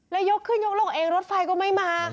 แล้วยกขึ้นยกลงเองรถไฟก็ไม่มา